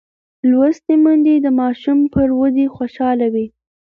لوستې میندې د ماشوم پر ودې خوشحاله وي.